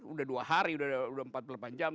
udah dua hari udah empat puluh delapan jam